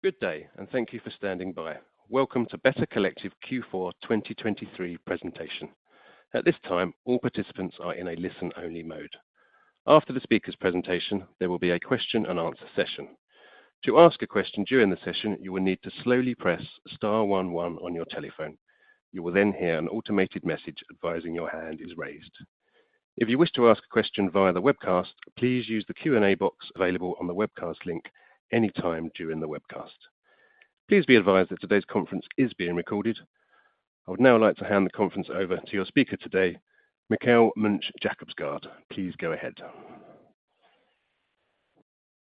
Good day, and thank you for standing by. Welcome to Better Collective Q4 2023 presentation. At this time, all participants are in a listen-only mode. After the speaker's presentation, there will be a question-and-answer session. To ask a question during the session, you will need to slowly press star one one on your telephone. You will then hear an automated message advising your hand is raised. If you wish to ask a question via the webcast, please use the Q&A box available on the webcast link anytime during the webcast. Please be advised that today's conference is being recorded. I would now like to hand the conference over to your speaker today, Mikkel Munch-Jacobsgaard. Please go ahead.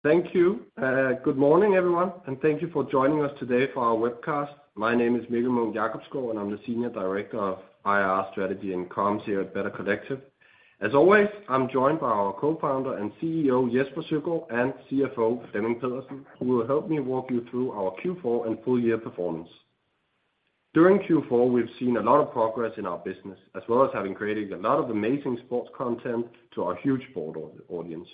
Thank you. Good morning, everyone, and thank you for joining us today for our webcast. My name is Mikkel Munch-Jacobsgaard, and I'm the Senior Director of IR Strategy and Comms here at Better Collective. As always, I'm joined by our co-founder and CEO Jesper Søgaard and CFO Flemming Pedersen, who will help me walk you through our Q4 and full-year performance. During Q4, we've seen a lot of progress in our business, as well as having created a lot of amazing sports content to our huge sport audience.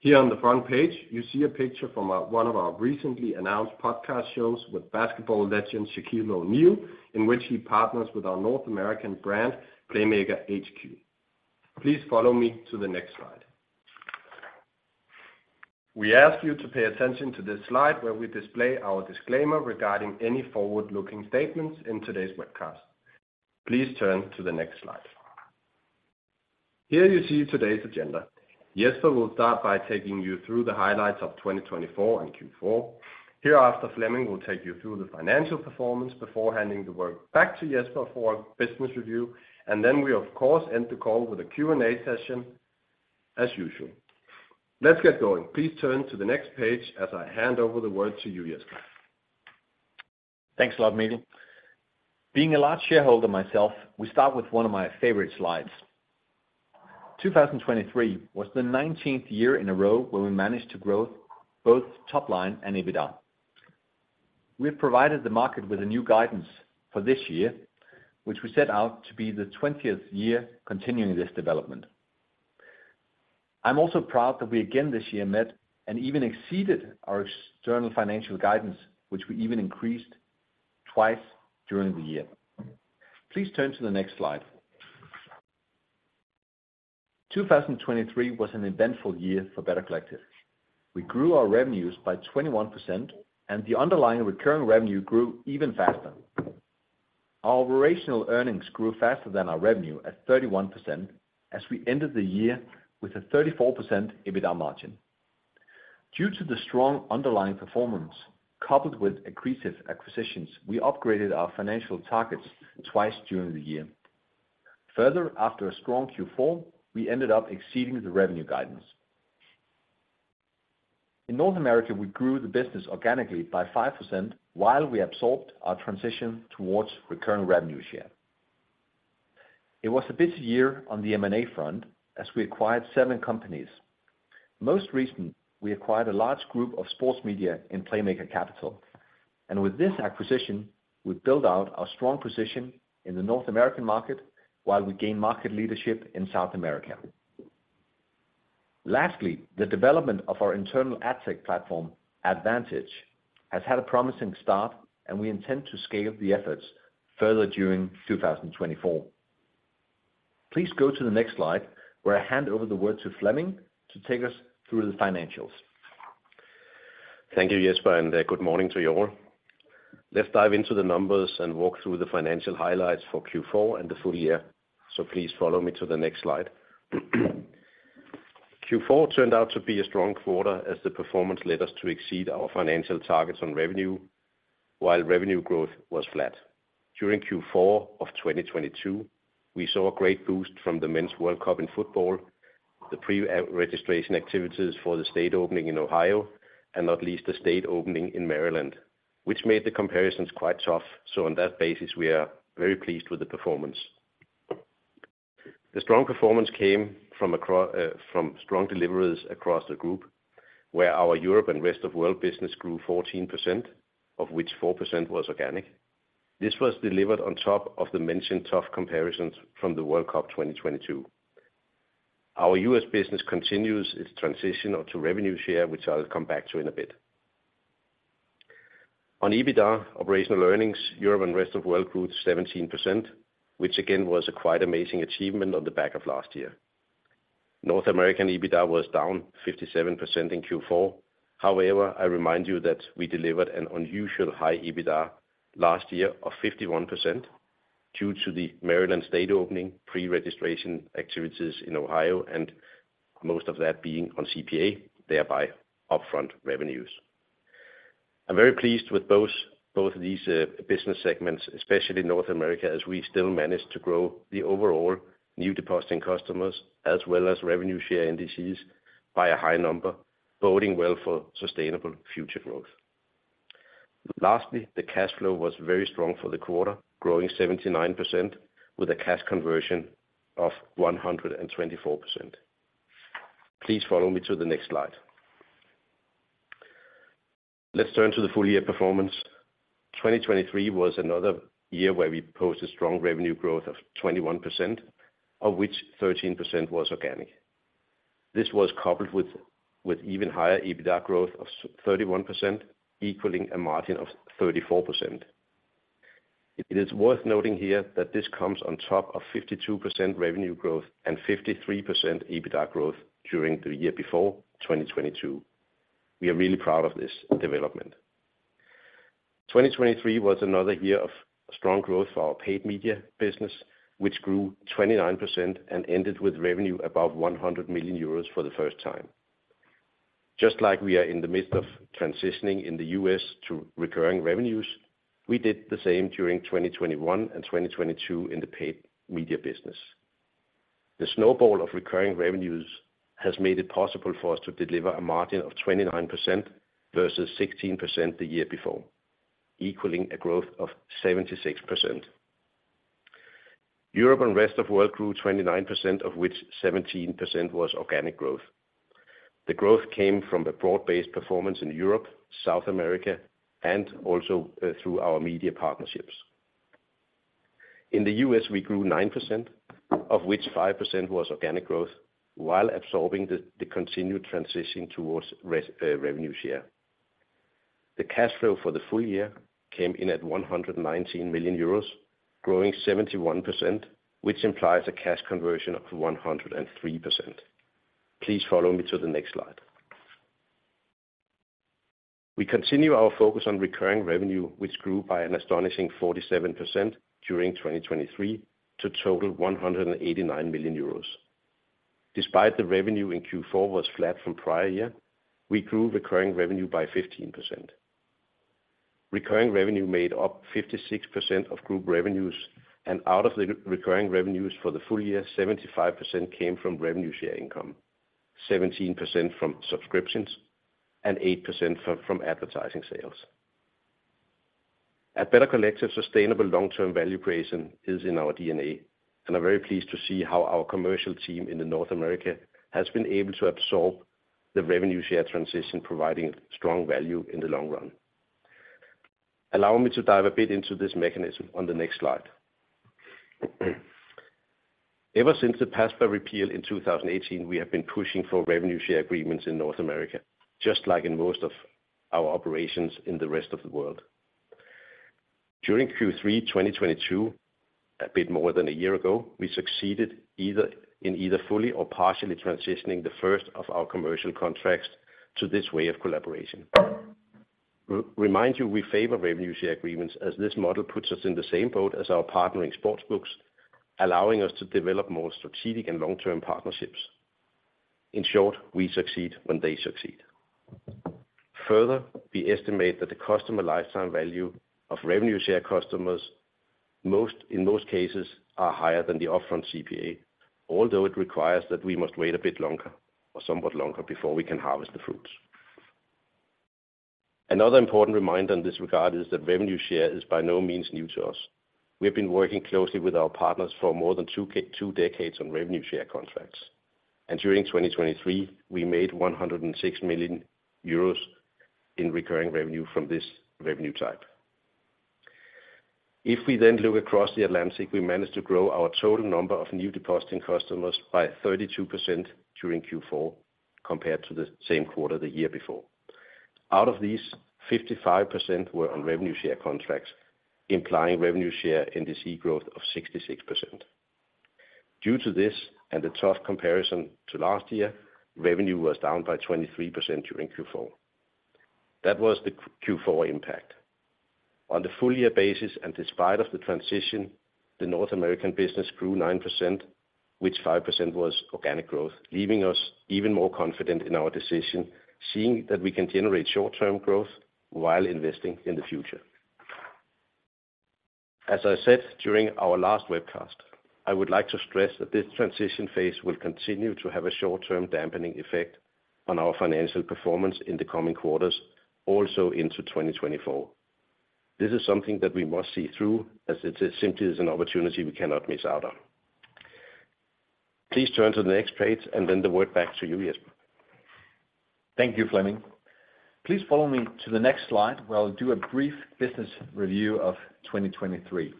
Here on the front page, you see a picture from one of our recently announced podcast shows with basketball legend Shaquille O'Neal, in which he partners with our North American brand Playmaker HQ. Please follow me to the next slide. We ask you to pay attention to this slide where we display our disclaimer regarding any forward-looking statements in today's webcast. Please turn to the next slide. Here you see today's agenda. Jesper will start by taking you through the highlights of 2024 and Q4. Hereafter, Flemming will take you through the financial performance before handing the work back to Jesper for a business review, and then we, of course, end the call with a Q&A session as usual. Let's get going. Please turn to the next page as I hand over the word to you, Jesper. Thanks a lot, Mikkel. Being a large shareholder myself, we start with one of my favorite slides. 2023 was the 19th year in a row where we managed to grow both top line and EBITDA. We have provided the market with a new guidance for this year, which we set out to be the 20th year continuing this development. I'm also proud that we again this year met and even exceeded our external financial guidance, which we even increased twice during the year. Please turn to the next slide. 2023 was an eventful year for Better Collective. We grew our revenues by 21%, and the underlying recurring revenue grew even faster. Our operational earnings grew faster than our revenue at 31% as we ended the year with a 34% EBITDA margin. Due to the strong underlying performance coupled with accretive acquisitions, we upgraded our financial targets twice during the year. Further, after a strong Q4, we ended up exceeding the revenue guidance. In North America, we grew the business organically by 5% while we absorbed our transition towards recurring revenue share. It was a busy year on the M&A front as we acquired seven companies. Most recently, we acquired a large group of sports media in Playmaker Capital, and with this acquisition, we built out our strong position in the North American market while we gained market leadership in South America. Lastly, the development of our internal ad tech platform, AdVantage, has had a promising start, and we intend to scale the efforts further during 2024. Please go to the next slide where I hand over the word to Flemming to take us through the financials. Thank you, Jesper, and good morning to you all. Let's dive into the numbers and walk through the financial highlights for Q4 and the full year. So please follow me to the next slide. Q4 turned out to be a strong quarter as the performance led us to exceed our financial targets on revenue while revenue growth was flat. During Q4 of 2022, we saw a great boost from the men's World Cup in football, the pre-registration activities for the state opening in Ohio, and not least the state opening in Maryland, which made the comparisons quite tough. So on that basis, we are very pleased with the performance. The strong performance came from strong deliveries across the group where our Europe and rest of world business grew 14%, of which 4% was organic. This was delivered on top of the mentioned tough comparisons from the World Cup 2022. Our US business continues its transition to revenue share, which I'll come back to in a bit. On EBITDA operational earnings, Europe and rest of world grew 17%, which again was a quite amazing achievement on the back of last year. North American EBITDA was down 57% in Q4. However, I remind you that we delivered an unusually high EBITDA last year of 51% due to the Maryland state opening, pre-registration activities in Ohio, and most of that being on CPA, thereby upfront revenues. I'm very pleased with both of these business segments, especially North America, as we still managed to grow the overall new depositing customers as well as revenue share indices by a high number, boding well for sustainable future growth. Lastly, the cash flow was very strong for the quarter, growing 79% with a cash conversion of 124%. Please follow me to the next slide. Let's turn to the full-year performance. 2023 was another year where we posted strong revenue growth of 21%, of which 13% was organic. This was coupled with even higher EBITDA growth of 31%, equaling a margin of 34%. It is worth noting here that this comes on top of 52% revenue growth and 53% EBITDA growth during the year before 2022. We are really proud of this development. 2023 was another year of strong growth for our paid media business, which grew 29% and ended with revenue above 100 million euros for the first time. Just like we are in the midst of transitioning in the U.S. to recurring revenues, we did the same during 2021 and 2022 in the paid media business. The snowball of recurring revenues has made it possible for us to deliver a margin of 29% versus 16% the year before, equaling a growth of 76%. Europe and rest of world grew 29%, of which 17% was organic growth. The growth came from a broad-based performance in Europe, South America, and also through our media partnerships. In the U.S., we grew 9%, of which 5% was organic growth while absorbing the continued transition towards revenue share. The cash flow for the full year came in at 119 million euros, growing 71%, which implies a cash conversion of 103%. Please follow me to the next slide. We continue our focus on recurring revenue, which grew by an astonishing 47% during 2023 to total 189 million euros. Despite the revenue in Q4 was flat from prior year, we grew recurring revenue by 15%. Recurring revenue made up 56% of group revenues, and out of the recurring revenues for the full year, 75% came from revenue share income, 17% from subscriptions, and 8% from advertising sales. At Better Collective, sustainable long-term value creation is in our DNA, and I'm very pleased to see how our commercial team in North America has been able to absorb the revenue share transition, providing strong value in the long run. Allow me to dive a bit into this mechanism on the next slide. Ever since the PASPA repeal in 2018, we have been pushing for revenue share agreements in North America, just like in most of our operations in the rest of the world. During Q3 2022, a bit more than a year ago, we succeeded in either fully or partially transitioning the first of our commercial contracts to this way of collaboration. Remind you, we favor revenue share agreements as this model puts us in the same boat as our partnering sportsbooks, allowing us to develop more strategic and long-term partnerships. In short, we succeed when they succeed. Further, we estimate that the customer lifetime value of revenue share customers, in most cases, are higher than the upfront CPA, although it requires that we must wait a bit longer or somewhat longer before we can harvest the fruits. Another important reminder in this regard is that revenue share is by no means new to us. We have been working closely with our partners for more than two decades on revenue share contracts. During 2023, we made 106 million euros in recurring revenue from this revenue type. If we then look across the Atlantic, we managed to grow our total number of new depositing customers by 32% during Q4 compared to the same quarter the year before. Out of these, 55% were on revenue share contracts, implying revenue share index growth of 66%. Due to this and the tough comparison to last year, revenue was down by 23% during Q4. That was the Q4 impact. On the full-year basis, and despite the transition, the North American business grew 9%, which 5% was organic growth, leaving us even more confident in our decision, seeing that we can generate short-term growth while investing in the future. As I said during our last webcast, I would like to stress that this transition phase will continue to have a short-term dampening effect on our financial performance in the coming quarters, also into 2024. This is something that we must see through, as it simply is an opportunity we cannot miss out on. Please turn to the next page and then the word back to you, Jesper. Thank you, Flemming. Please follow me to the next slide where I'll do a brief business review of 2023.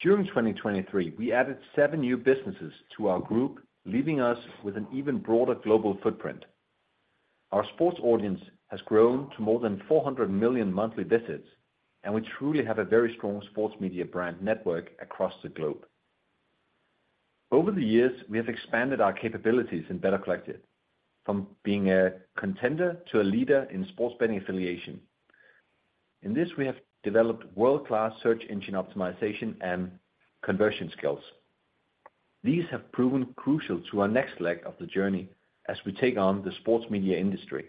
During 2023, we added seven new businesses to our group, leaving us with an even broader global footprint. Our sports audience has grown to more than 400 million monthly visits, and we truly have a very strong sports media brand network across the globe. Over the years, we have expanded our capabilities in Better Collective from being a contender to a leader in sports betting affiliation. In this, we have developed world-class search engine optimization and conversion skills. These have proven crucial to our next leg of the journey as we take on the sports media industry.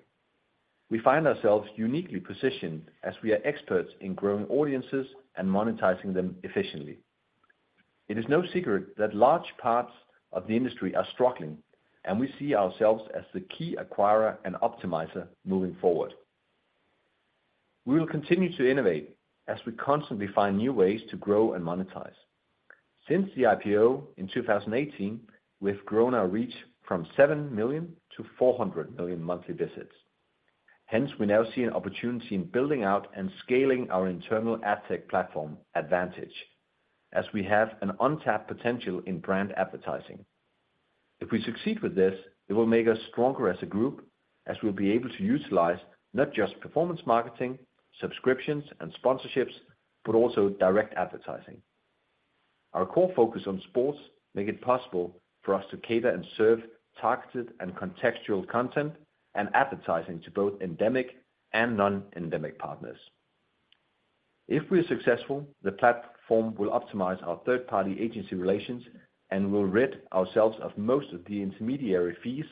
We find ourselves uniquely positioned as we are experts in growing audiences and monetizing them efficiently. It is no secret that large parts of the industry are struggling, and we see ourselves as the key acquirer and optimizer moving forward. We will continue to innovate as we constantly find new ways to grow and monetize. Since the IPO in 2018, we have grown our reach from 7 million to 400 million monthly visits. Hence, we now see an opportunity in building out and scaling our internal ad tech platform, AdVantage, as we have an untapped potential in brand advertising. If we succeed with this, it will make us stronger as a group, as we'll be able to utilize not just performance marketing, subscriptions, and sponsorships, but also direct advertising. Our core focus on sports makes it possible for us to cater and serve targeted and contextual content and advertising to both endemic and non-endemic partners. If we are successful, the platform will optimize our third-party agency relations and will rid ourselves of most of the intermediary fees.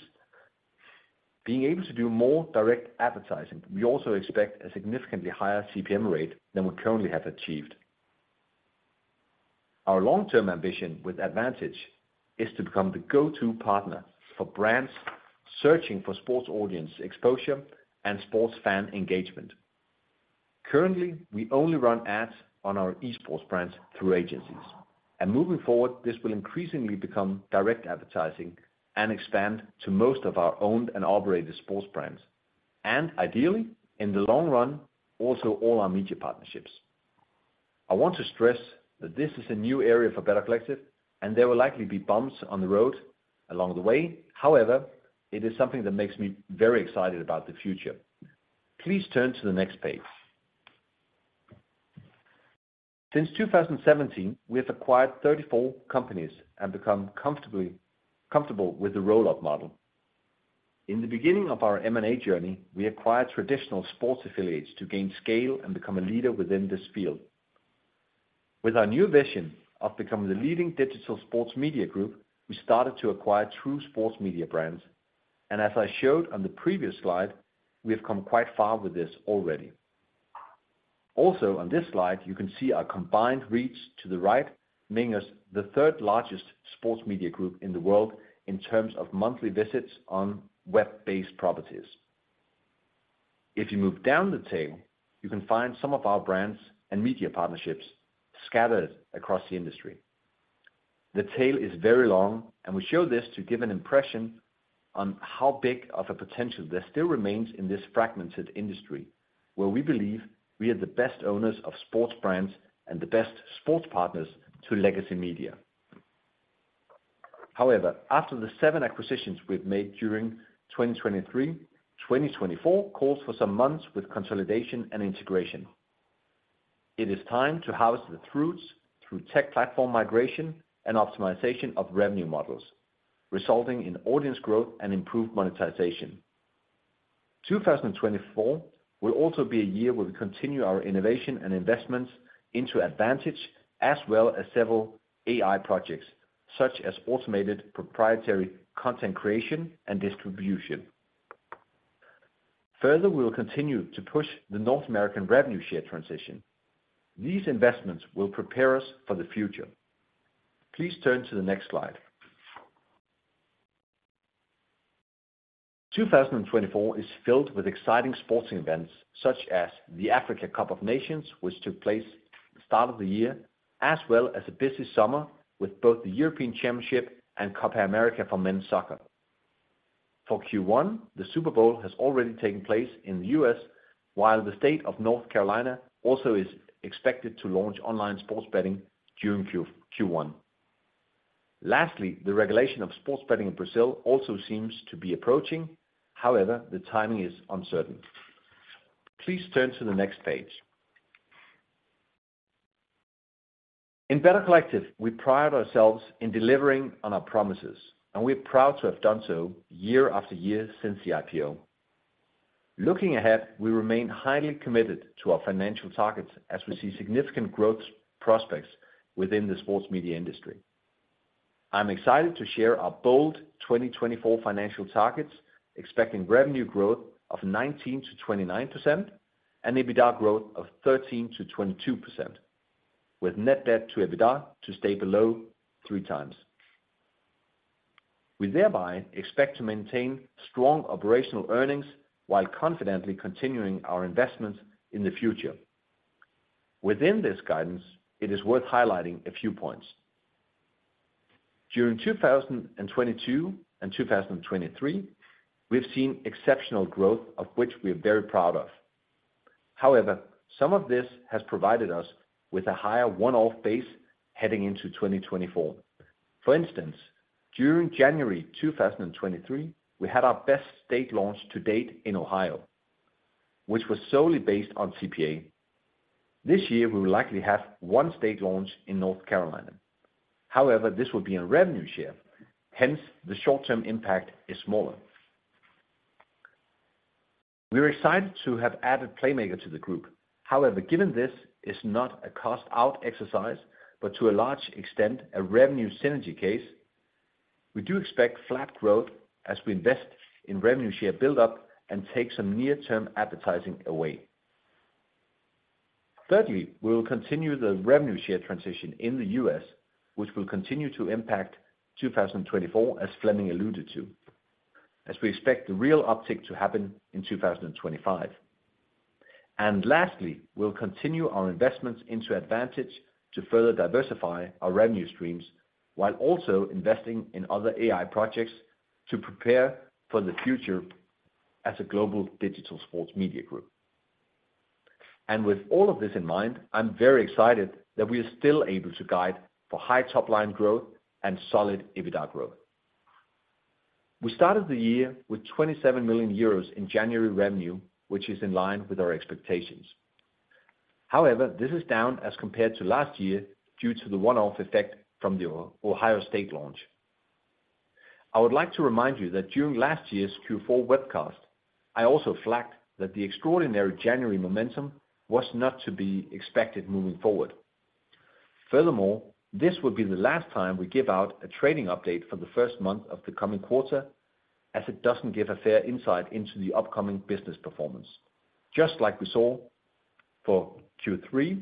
Being able to do more direct advertising, we also expect a significantly higher CPM rate than we currently have achieved. Our long-term ambition with AdVantage is to become the go-to partner for brands searching for sports audience exposure and sports fan engagement. Currently, we only run ads on our esports brands through agencies. Moving forward, this will increasingly become direct advertising and expand to most of our owned and operated sports brands, and ideally, in the long run, also all our media partnerships. I want to stress that this is a new area for Better Collective, and there will likely be bumps on the road along the way. However, it is something that makes me very excited about the future. Please turn to the next page. Since 2017, we have acquired 34 companies and become comfortable with the roll-up model. In the beginning of our M&A journey, we acquired traditional sports affiliates to gain scale and become a leader within this field. With our new vision of becoming the leading digital sports media group, we started to acquire true sports media brands. As I showed on the previous slide, we have come quite far with this already. Also, on this slide, you can see our combined reach to the right, making us the third-largest sports media group in the world in terms of monthly visits on web-based properties. If you move down the tail, you can find some of our brands and media partnerships scattered across the industry. The tail is very long, and we show this to give an impression on how big of a potential there still remains in this fragmented industry where we believe we are the best owners of sports brands and the best sports partners to legacy media. However, after the seven acquisitions we've made during 2023, 2024 calls for some months with consolidation and integration. It is time to harvest the fruits through tech platform migration and optimization of revenue models, resulting in audience growth and improved monetization. 2024 will also be a year where we continue our innovation and investments into AdVantage as well as several AI projects such as automated proprietary content creation and distribution. Further, we will continue to push the North American revenue share transition. These investments will prepare us for the future. Please turn to the next slide. 2024 is filled with exciting sporting events such as the Africa Cup of Nations, which took place at the start of the year, as well as a busy summer with both the European Championship and Copa America for men's soccer. For Q1, the Super Bowl has already taken place in the U.S., while the state of North Carolina also is expected to launch online sports betting during Q1. Lastly, the regulation of sports betting in Brazil also seems to be approaching. However, the timing is uncertain. Please turn to the next page. In Better Collective, we pride ourselves in delivering on our promises, and we are proud to have done so year after year since the IPO. Looking ahead, we remain highly committed to our financial targets as we see significant growth prospects within the sports media industry. I'm excited to share our bold 2024 financial targets, expecting revenue growth of 19%-29% and EBITDA growth of 13%-22%, with net debt to EBITDA to stay below 3x. We thereby expect to maintain strong operational earnings while confidently continuing our investments in the future. Within this guidance, it is worth highlighting a few points. During 2022 and 2023, we've seen exceptional growth, of which we are very proud of. However, some of this has provided us with a higher one-off base heading into 2024. For instance, during January 2023, we had our best state launch to date in Ohio, which was solely based on CPA. This year, we will likely have one state launch in North Carolina. However, this will be a revenue share. Hence, the short-term impact is smaller. We are excited to have added Playmaker to the group. However, given this is not a cost-out exercise, but to a large extent, a revenue synergy case, we do expect flat growth as we invest in revenue share buildup and take some near-term advertising away. Thirdly, we will continue the revenue share transition in the U.S., which will continue to impact 2024, as Flemming alluded to, as we expect the real uptick to happen in 2025. And lastly, we'll continue our investments into AdVantage to further diversify our revenue streams while also investing in other AI projects to prepare for the future as a global digital sports media group. And with all of this in mind, I'm very excited that we are still able to guide for high top-line growth and solid EBITDA growth. We started the year with 27 million euros in January revenue, which is in line with our expectations. However, this is down as compared to last year due to the one-off effect from the Ohio state launch. I would like to remind you that during last year's Q4 webcast, I also flagged that the extraordinary January momentum was not to be expected moving forward. Furthermore, this would be the last time we give out a trading update for the first month of the coming quarter, as it doesn't give a fair insight into the upcoming business performance. Just like we saw for Q3,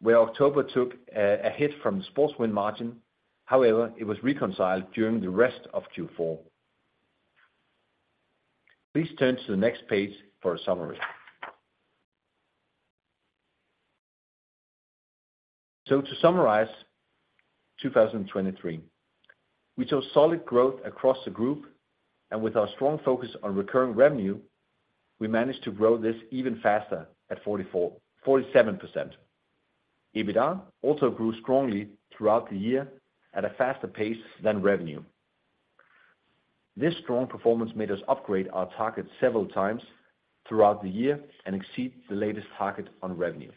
where October took a hit from the sports win margin. However, it was reconciled during the rest of Q4. Please turn to the next page for a summary. To summarize 2023, we saw solid growth across the group. And with our strong focus on recurring revenue, we managed to grow this even faster at 47%. EBITDA also grew strongly throughout the year at a faster pace than revenue. This strong performance made us upgrade our target several times throughout the year and exceed the latest target on revenue.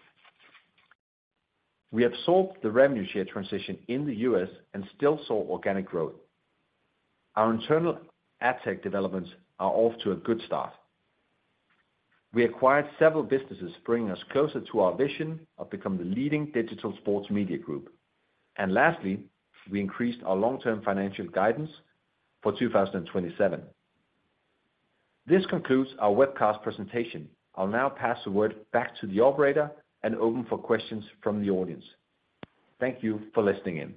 We absorbed the revenue share transition in the U.S. and still saw organic growth. Our internal ad tech developments are off to a good start. We acquired several businesses, bringing us closer to our vision of becoming the leading digital sports media group. And lastly, we increased our long-term financial guidance for 2027. This concludes our webcast presentation. I'll now pass the word back to the operator and open for questions from the audience. Thank you for listening in.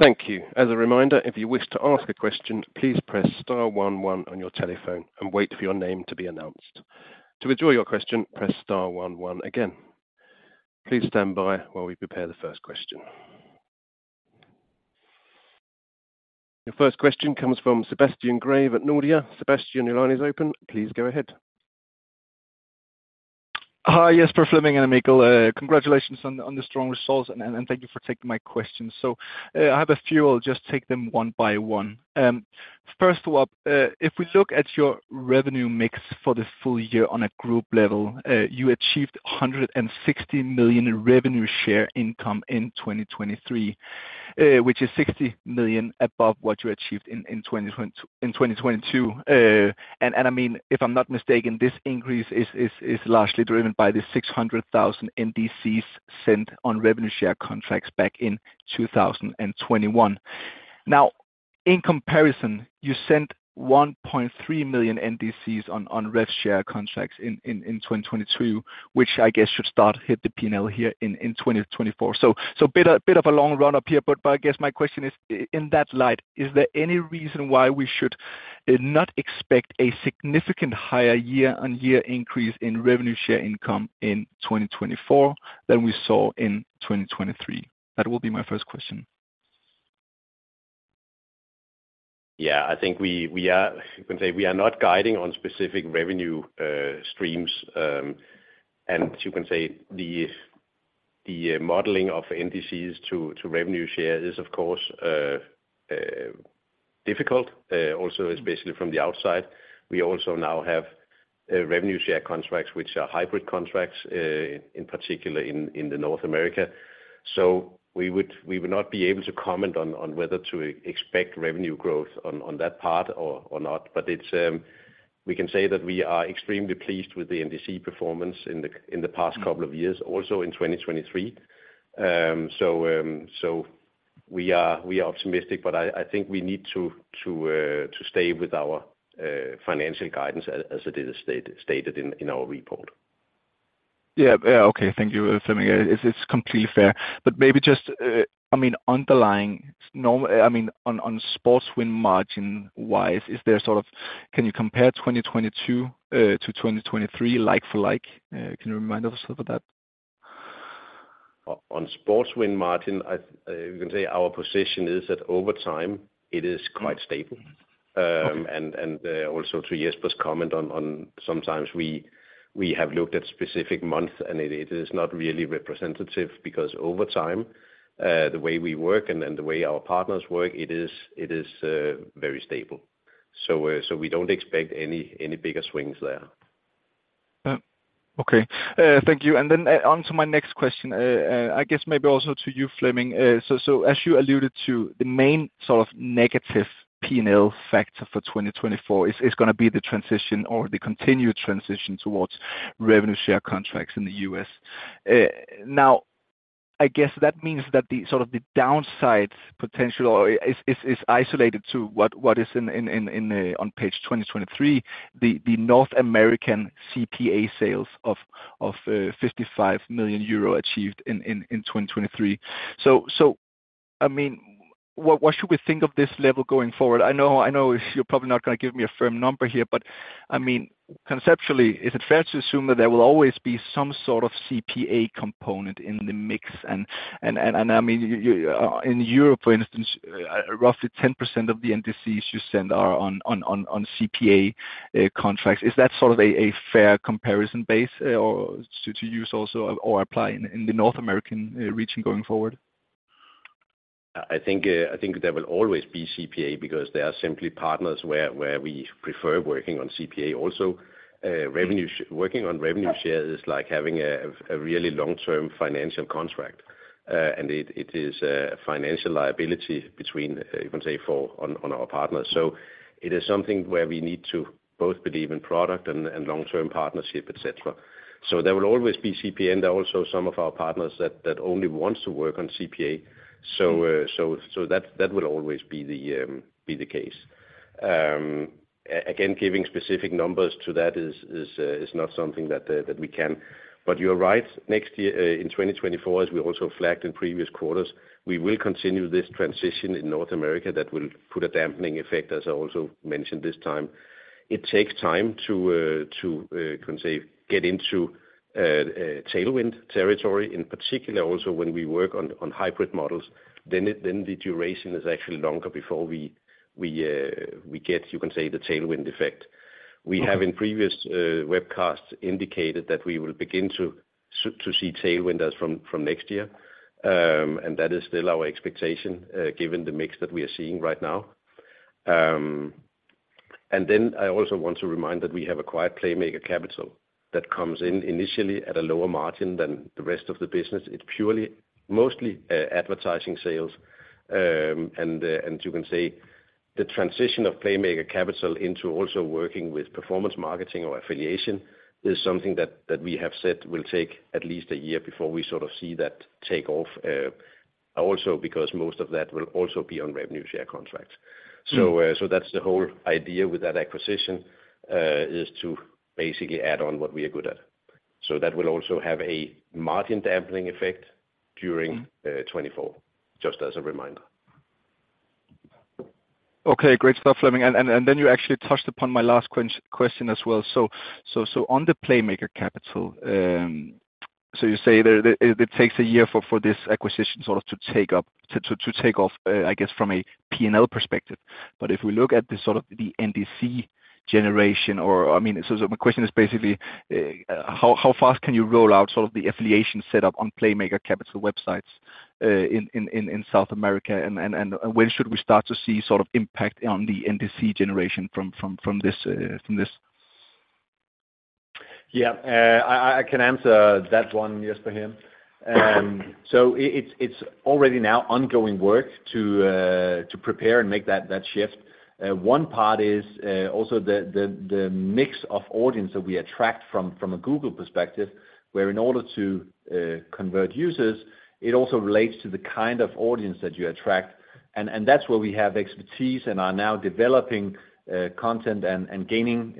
Thank you. As a reminder, if you wish to ask a question, please press star one one on your telephone and wait for your name to be announced. To withdraw your question, press star one one again. Please stand by while we prepare the first question. Your first question comes from Sebastian Grave at Nordea. Sebastian, your line is open. Please go ahead. Yes, for Flemming and Mikkel. Congratulations on the strong results, and thank you for taking my questions. So I have a few. I'll just take them one by one. First of all, if we look at your revenue mix for the full year on a group level, you achieved 160 million revenue share income in 2023, which is 60 million above what you achieved in 2022. And I mean, if I'm not mistaken, this increase is largely driven by the 600,000 NDCs sent on revenue share contracts back in 2021. Now, in comparison, you sent 1.3 million NDCs on rev share contracts in 2022, which I guess should start to hit the P&L here in 2024. So bit of a long run-up here. I guess my question is, in that light, is there any reason why we should not expect a significant higher year-on-year increase in revenue share income in 2024 than we saw in 2023? That will be my first question. Yeah, I think, you can say, we are not guiding on specific revenue streams. You can say the modeling of NDCs to revenue share is, of course, difficult, also especially from the outside. We also now have revenue share contracts, which are hybrid contracts, in particular in North America. So we would not be able to comment on whether to expect revenue growth on that part or not. But we can say that we are extremely pleased with the NDC performance in the past couple of years, also in 2023. So we are optimistic, but I think we need to stay with our financial guidance as it is stated in our report. Yeah. Yeah. Okay. Thank you, Flemming. It's completely fair. But maybe just, I mean, underlying I mean, on sports win margin-wise, is there sort of can you compare 2022 to 2023 like for like? Can you remind us of that? On sports win margin, you can say our position is that over time, it is quite stable. And also to Jesper's comment on sometimes we have looked at specific months, and it is not really representative because over time, the way we work and the way our partners work, it is very stable. So we don't expect any bigger swings there. Okay. Thank you. And then on to my next question, I guess maybe also to you, Flemming. So as you alluded to, the main sort of negative P&L factor for 2024 is going to be the transition or the continued transition towards revenue share contracts in the U.S. Now, I guess that means that sort of the downside potential is isolated to what is on page 20, the North American CPA sales of 55 million euro achieved in 2023. So I mean, what should we think of this level going forward? I know you're probably not going to give me a firm number here, but I mean, conceptually, is it fair to assume that there will always be some sort of CPA component in the mix? And I mean, in Europe, for instance, roughly 10% of the NDCs you send are on CPA contracts. Is that sort of a fair comparison base to use also or apply in the North American region going forward? I think there will always be CPA because there are simply partners where we prefer working on CPA also. Working on revenue share is like having a really long-term financial contract. And it is a financial liability between, you can say, on our partners. So it is something where we need to both believe in product and long-term partnership, etc. So there will always be CPA. And there are also some of our partners that only want to work on CPA. So that will always be the case. Again, giving specific numbers to that is not something that we can. But you are right. Next year, in 2024, as we also flagged in previous quarters, we will continue this transition in North America that will put a dampening effect, as I also mentioned this time. It takes time to, you can say, get into tailwind territory. In particular, also when we work on hybrid models, then the duration is actually longer before we get, you can say, the tailwind effect. We have in previous webcasts indicated that we will begin to see tailwinds from next year. That is still our expectation given the mix that we are seeing right now. Then I also want to remind that we have acquired Playmaker Capital that comes in initially at a lower margin than the rest of the business. It's mostly advertising sales. And you can say the transition of Playmaker Capital into also working with performance marketing or affiliation is something that we have said will take at least a year before we sort of see that takeoff also because most of that will also be on revenue share contracts. That's the whole idea with that acquisition is to basically add on what we are good at. That will also have a margin dampening effect during 2024, just as a reminder. Okay. Great stuff, Flemming. And then you actually touched upon my last question as well. So on the Playmaker Capital, so you say it takes a year for this acquisition sort of to take off, I guess, from a P&L perspective. But if we look at sort of the NDC generation or I mean, so my question is basically, how fast can you roll out sort of the affiliation setup on Playmaker Capital websites in South America? And when should we start to see sort of impact on the NDC generation from this? Yeah. I can answer that one, Jesper Søgaard. So it's already now ongoing work to prepare and make that shift. One part is also the mix of audience that we attract from a Google perspective, where in order to convert users, it also relates to the kind of audience that you attract. And that's where we have expertise and are now developing content and gaining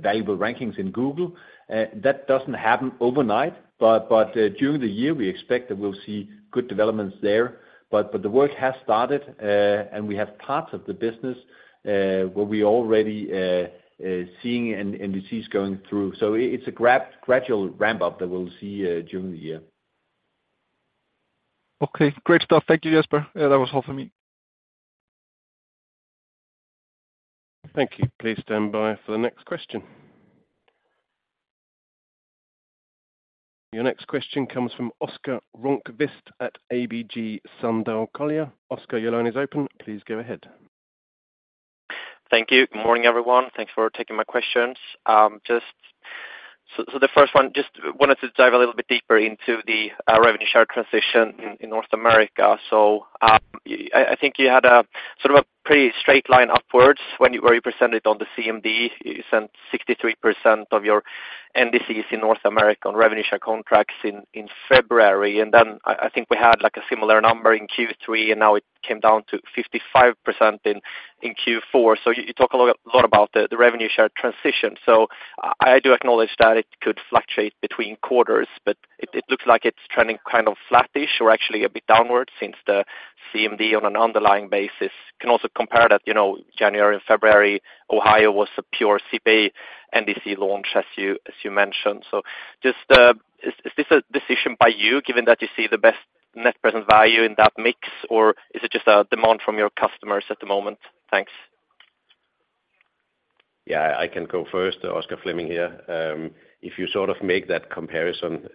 valuable rankings in Google. That doesn't happen overnight, but during the year, we expect that we'll see good developments there. But the work has started, and we have parts of the business where we are already seeing NDCs going through. So it's a gradual ramp-up that we'll see during the year. Okay. Great stuff. Thank you, Jesper. That was all from me. Thank you. Please stand by for the next question. Your next question comes from Oscar Rönnkvist at ABG Sundal Collier. Oscar, your line is open. Please go ahead. Thank you. Good morning, everyone. Thanks for taking my questions. So the first one, just wanted to dive a little bit deeper into the revenue share transition in North America. So I think you had sort of a pretty straight line upwards where you presented on the CMD. You sent 63% of your NDCs in North America on revenue share contracts in February. And then I think we had a similar number in Q3, and now it came down to 55% in Q4. So you talk a lot about the revenue share transition. So I do acknowledge that it could fluctuate between quarters, but it looks like it's trending kind of flattish or actually a bit downwards since the CMD on an underlying basis. You can also compare that. January, February, Ohio was a pure CPA NDC launch, as you mentioned. Is this a decision by you, given that you see the best net present value in that mix, or is it just a demand from your customers at the moment? Thanks. Yeah. I can go first, Oscar, Flemming here. If you sort of make that comparison,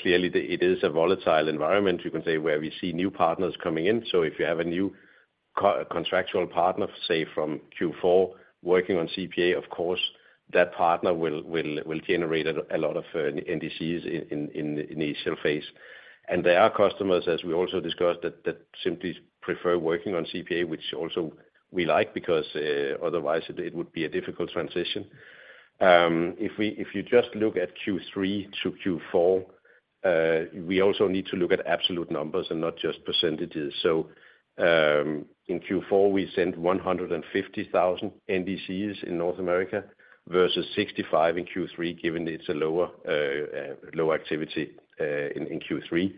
clearly, it is a volatile environment, you can say, where we see new partners coming in. So if you have a new contractual partner, say, from Q4 working on CPA, of course, that partner will generate a lot of NDCs in the initial phase. And there are customers, as we also discussed, that simply prefer working on CPA, which also we like because otherwise, it would be a difficult transition. If you just look at Q3-Q4, we also need to look at absolute numbers and not just percentages. So in Q4, we sent 150,000 NDCs in North America versus 65,000 in Q3, given it's a lower activity in Q3.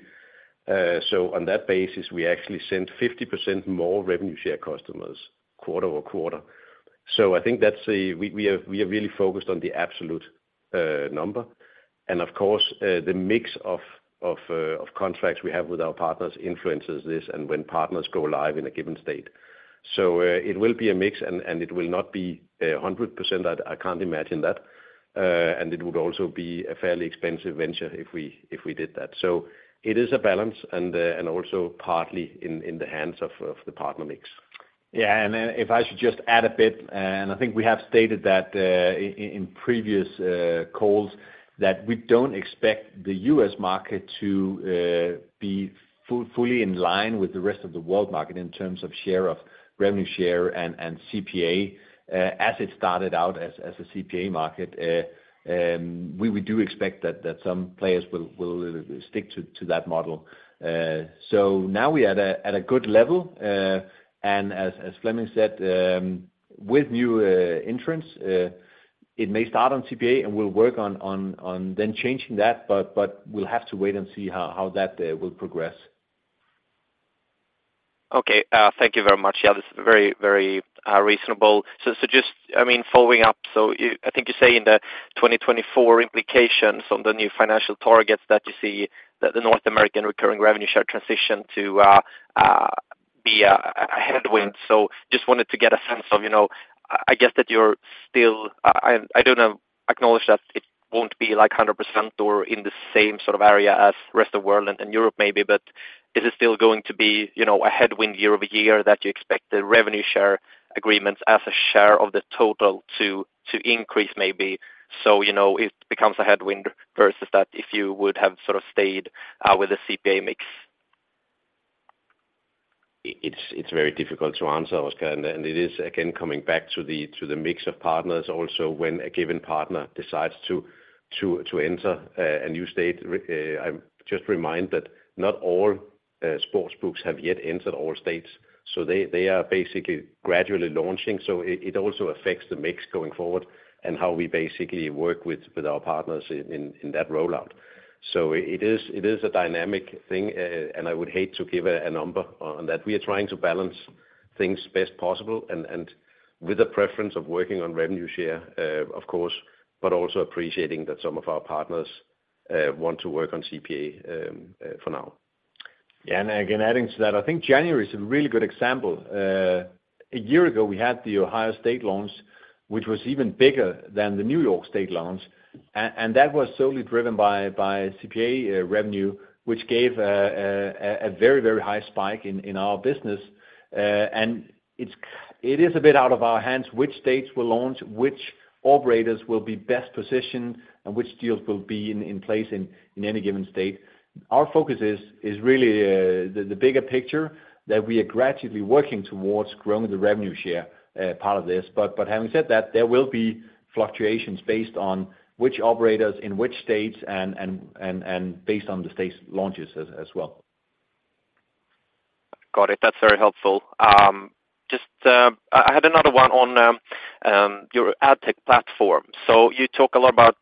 So on that basis, we actually sent 50% more revenue share customers quarter-over-quarter. So I think that we are really focused on the absolute number. Of course, the mix of contracts we have with our partners influences this and when partners go live in a given state. So it will be a mix, and it will not be 100%. I can't imagine that. And it would also be a fairly expensive venture if we did that. So it is a balance and also partly in the hands of the partner mix. Yeah. And then if I should just add a bit, and I think we have stated that in previous calls, that we don't expect the U.S. market to be fully in line with the rest of the world market in terms of share of revenue share and CPA. As it started out as a CPA market, we do expect that some players will stick to that model. Now we are at a good level. As Flemming said, with new entrants, it may start on CPA, and we'll work on then changing that, but we'll have to wait and see how that will progress. Okay. Thank you very much. Yeah, this is very, very reasonable. So just, I mean, following up, so I think you say in the 2024 implications on the new financial targets that you see the North American recurring revenue share transition to be a headwind. So just wanted to get a sense of, I guess, that you're still, I don't know, acknowledge that it won't be 100% or in the same sort of area as the rest of the world and Europe maybe, but is it still going to be a headwind year-over-year that you expect the revenue share agreements as a share of the total to increase maybe so it becomes a headwind versus that if you would have sort of stayed with the CPA mix? It's very difficult to answer, Oscar. It is, again, coming back to the mix of partners also when a given partner decides to enter a new state. I just remind that not all sports books have yet entered all states. So they are basically gradually launching. So it also affects the mix going forward and how we basically work with our partners in that rollout. So it is a dynamic thing. I would hate to give a number on that. We are trying to balance things best possible and with a preference of working on revenue share, of course, but also appreciating that some of our partners want to work on CPA for now. Yeah. And again, adding to that, I think January is a really good example. A year ago, we had the Ohio state launch, which was even bigger than the New York state launch. And that was solely driven by CPA revenue, which gave a very, very high spike in our business. And it is a bit out of our hands which states will launch, which operators will be best positioned, and which deals will be in place in any given state. Our focus is really the bigger picture that we are gradually working towards growing the revenue share part of this. But having said that, there will be fluctuations based on which operators in which states and based on the state's launches as well. Got it. That's very helpful. I had another one on your AdTech platform. So you talk a lot about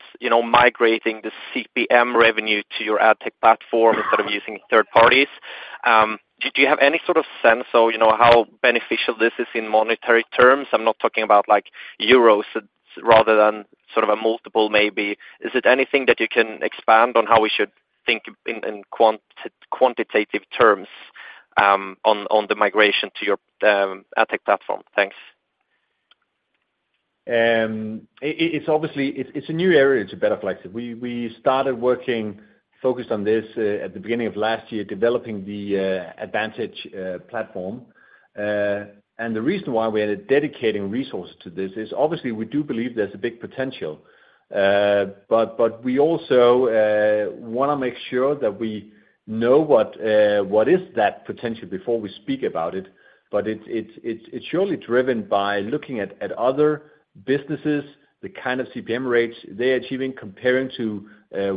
migrating the CPM revenue to your AdTech platform instead of using third parties. Do you have any sort of sense of how beneficial this is in monetary terms? I'm not talking about euros rather than sort of a multiple maybe. Is it anything that you can expand on how we should think in quantitative terms on the migration to your AdTech platform? Thanks. It's a new area. It's a bit more flexible. We started working focused on this at the beginning of last year, developing the AdVantage platform. The reason why we are dedicating resources to this is obviously, we do believe there's a big potential. But we also want to make sure that we know what is that potential before we speak about it. But it's surely driven by looking at other businesses, the kind of CPM rates they are achieving, comparing to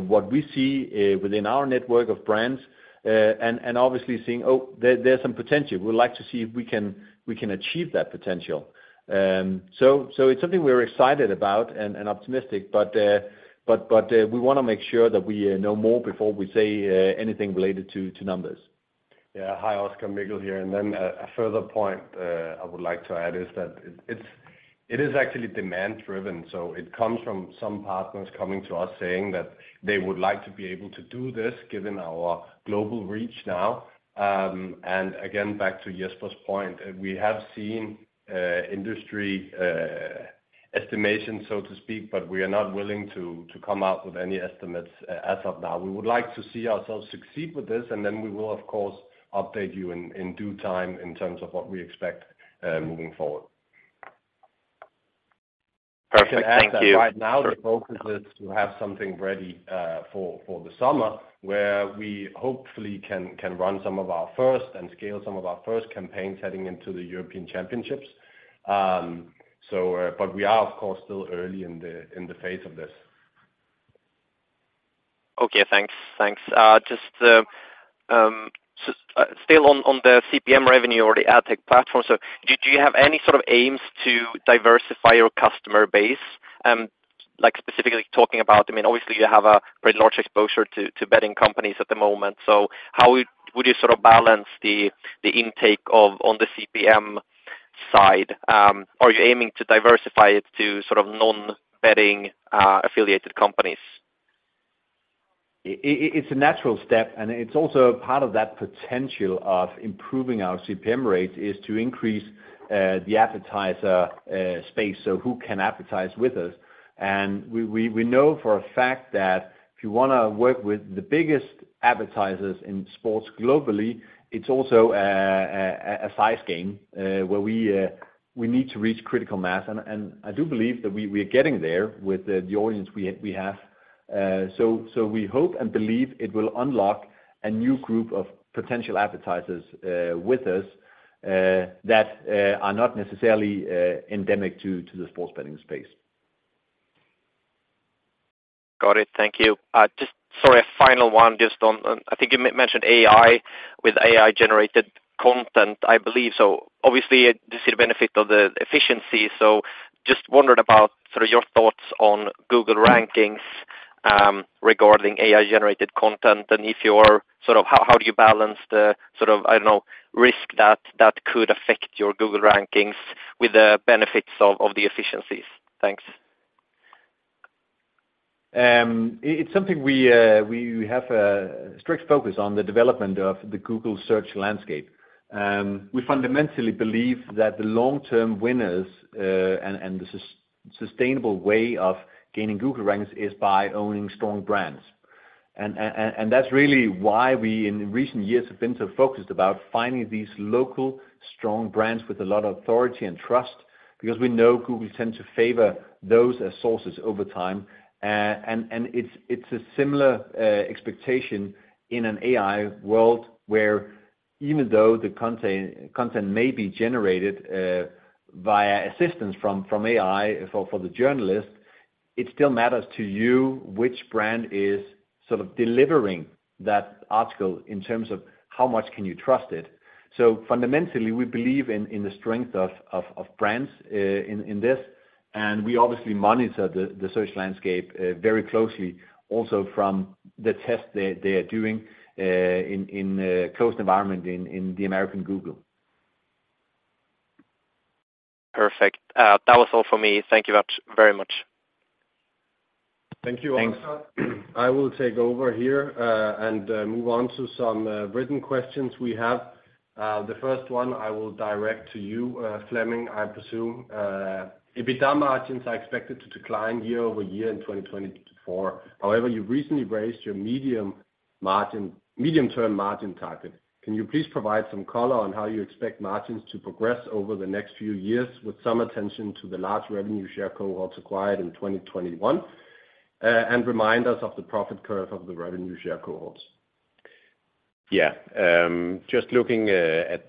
what we see within our network of brands, and obviously seeing, "Oh, there's some potential. We'd like to see if we can achieve that potential." It's something we're excited about and optimistic, but we want to make sure that we know more before we say anything related to numbers. Yeah. Hi, Oscar. Mikkel here. And then a further point I would like to add is that it is actually demand-driven. So it comes from some partners coming to us saying that they would like to be able to do this given our global reach now. And again, back to Jesper Søgaard's point, we have seen industry estimations, so to speak, but we are not willing to come out with any estimates as of now. We would like to see ourselves succeed with this, and then we will, of course, update you in due time in terms of what we expect moving forward. Perfect. Thank you. As of right now, the focus is to have something ready for the summer where we hopefully can run some of our first and scale some of our first campaigns heading into the European Championships. We are, of course, still early in the phase of this. Okay. Thanks. Thanks. Just still on the CPM revenue or the AdTech platform, so do you have any sort of aims to diversify your customer base? Specifically talking about, I mean, obviously, you have a pretty large exposure to betting companies at the moment. So how would you sort of balance the intake on the CPM side? Are you aiming to diversify it to sort of non-betting affiliated companies? It's a natural step. It's also part of that potential of improving our CPM rates is to increase the advertiser space. So who can advertise with us? We know for a fact that if you want to work with the biggest advertisers in sports globally, it's also a size game where we need to reach critical mass. I do believe that we are getting there with the audience we have. We hope and believe it will unlock a new group of potential advertisers with us that are not necessarily endemic to the sports betting space. Got it. Thank you. Just sorry, a final one. I think you mentioned AI with AI-generated content, I believe. So obviously, you see the benefit of the efficiency. So just wondered about sort of your thoughts on Google rankings regarding AI-generated content and if you are sort of how do you balance the sort of, I don't know, risk that could affect your Google rankings with the benefits of the efficiencies? Thanks. It's something we have a strict focus on, the development of the Google search landscape. We fundamentally believe that the long-term winners and the sustainable way of gaining Google ranks is by owning strong brands. And that's really why we in recent years have been so focused about finding these local, strong brands with a lot of authority and trust because we know Google tends to favor those as sources over time. And it's a similar expectation in an AI world where even though the content may be generated via assistance from AI for the journalist, it still matters to you which brand is sort of delivering that article in terms of how much can you trust it. So fundamentally, we believe in the strength of brands in this. We obviously monitor the search landscape very closely also from the tests they are doing in a closed environment in the American Google. Perfect. That was all for me. Thank you very much. Thank you, Oscar. I will take over here and move on to some written questions we have. The first one, I will direct to you, Flemming, I presume. EBITDA margins are expected to decline year-over-year in 2024. However, you've recently raised your medium-term margin target. Can you please provide some color on how you expect margins to progress over the next few years with some attention to the large revenue share cohorts acquired in 2021 and remind us of the profit curve of the revenue share cohorts? Yeah. Just looking at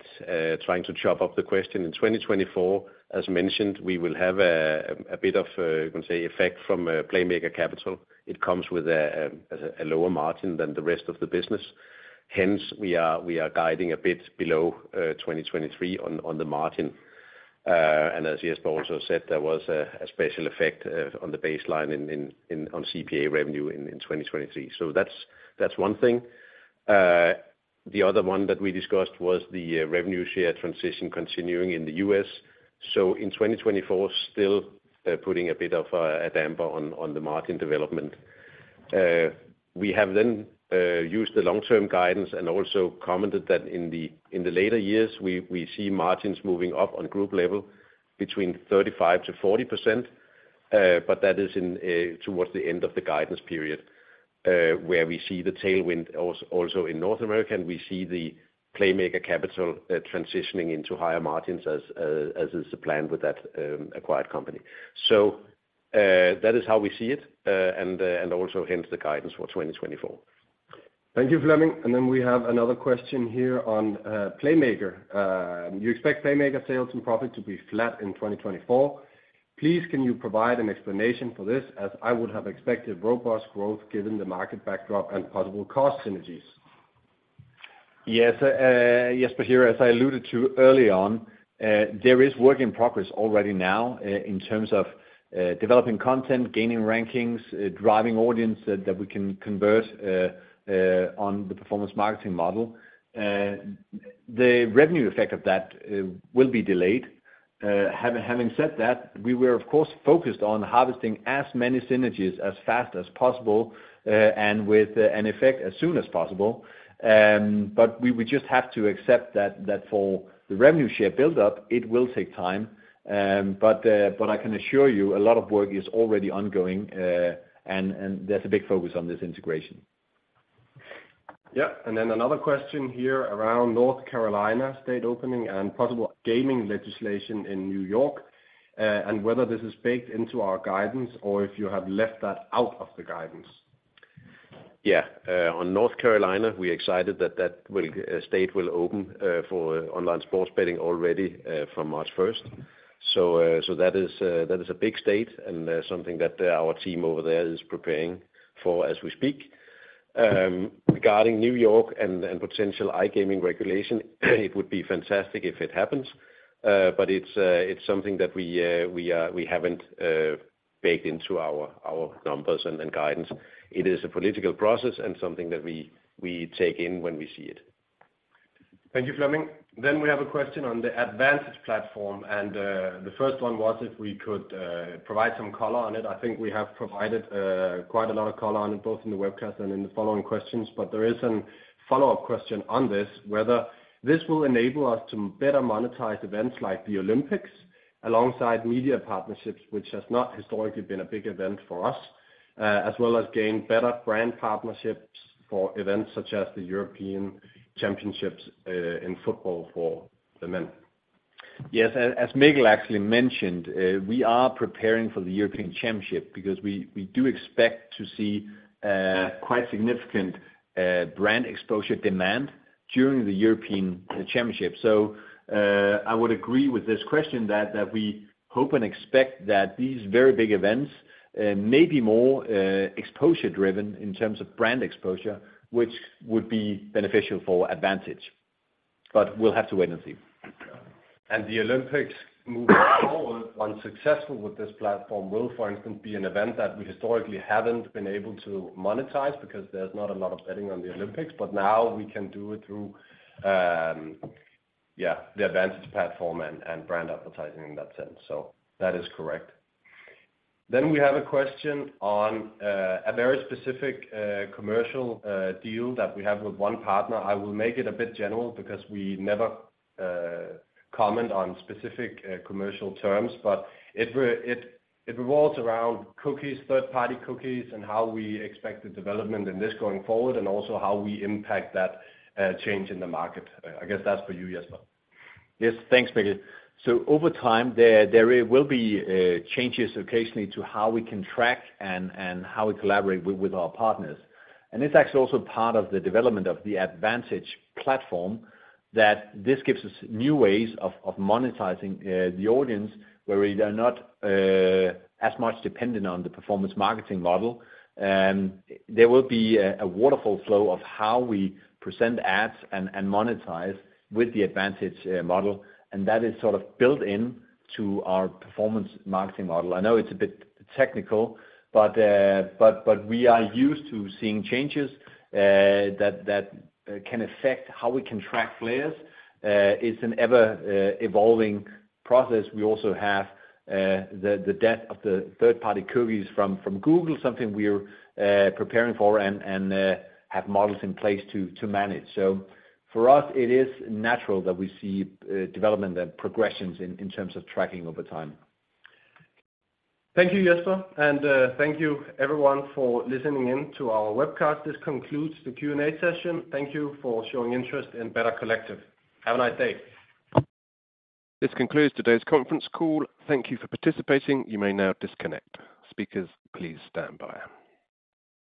trying to chop up the question. In 2024, as mentioned, we will have a bit of, you can say, effect from Playmaker Capital. It comes with a lower margin than the rest of the business. Hence, we are guiding a bit below 2023 on the margin. And as Jesper also said, there was a special effect on the baseline on CPA revenue in 2023. So that's one thing. The other one that we discussed was the revenue share transition continuing in the U.S. So in 2024, still putting a bit of a damper on the margin development. We have then used the long-term guidance and also commented that in the later years, we see margins moving up on group level between 35%-40%. But that is towards the end of the guidance period where we see the tailwind also in North America. We see the Playmaker Capital transitioning into higher margins as is the plan with that acquired company. That is how we see it and also hence the guidance for 2024. Thank you, Flemming. We have another question here on Playmaker. You expect Playmaker sales and profit to be flat in 2024. Please, can you provide an explanation for this as I would have expected robust growth given the market backdrop and possible cost synergies? Yes. Jesper, here, as I alluded to early on, there is work in progress already now in terms of developing content, gaining rankings, driving audience that we can convert on the performance marketing model. The revenue effect of that will be delayed. Having said that, we were, of course, focused on harvesting as many synergies as fast as possible and with an effect as soon as possible. But we would just have to accept that for the revenue share buildup, it will take time. But I can assure you, a lot of work is already ongoing, and there's a big focus on this integration. Yeah. And then another question here around North Carolina state opening and possible gaming legislation in New York and whether this is baked into our guidance or if you have left that out of the guidance? Yeah. On North Carolina, we're excited that that state will open for online sports betting already from March 1st. So that is a big state and something that our team over there is preparing for as we speak. Regarding New York and potential iGaming regulation, it would be fantastic if it happens. But it's something that we haven't baked into our numbers and guidance. It is a political process and something that we take in when we see it. Thank you, Flemming. We have a question on the AdVantage platform. The first one was if we could provide some color on it. I think we have provided quite a lot of color on it both in the webcast and in the following questions. There is a follow-up question on this, whether this will enable us to better monetize events like the Olympics alongside media partnerships, which has not historically been a big event for us, as well as gain better brand partnerships for events such as the European Championships in football for the men. Yes. As Mikkel actually mentioned, we are preparing for the European Championship because we do expect to see quite significant brand exposure demand during the European Championship. So I would agree with this question that we hope and expect that these very big events may be more exposure-driven in terms of brand exposure, which would be beneficial for AdVantage. But we'll have to wait and see. The Olympics move forward, once successful with this platform, will, for instance, be an event that we historically haven't been able to monetize because there's not a lot of betting on the Olympics. But now we can do it through, yeah, the AdVantage platform and brand advertising in that sense. So that is correct. Then we have a question on a very specific commercial deal that we have with one partner. I will make it a bit general because we never comment on specific commercial terms. But it revolves around cookies, third-party cookies, and how we expect the development in this going forward and also how we impact that change in the market. I guess that's for you, Jesper. Yes. Thanks, Mikkel. So over time, there will be changes occasionally to how we can track and how we collaborate with our partners. And it's actually also part of the development of the AdVantage platform that this gives us new ways of monetizing the audience where we are not as much dependent on the performance marketing model. There will be a waterfall flow of how we present ads and monetize with the AdVantage model. And that is sort of built into our performance marketing model. I know it's a bit technical, but we are used to seeing changes that can affect how we can track players. It's an ever-evolving process. We also have the death of the third-party cookies from Google, something we're preparing for and have models in place to manage. So for us, it is natural that we see development and progressions in terms of tracking over time. Thank you, Jesper. Thank you, everyone, for listening in to our webcast. This concludes the Q&A session. Thank you for showing interest in Better Collective. Have a nice day. This concludes today's conference call. Thank you for participating. You may now disconnect. Speakers, please stand by.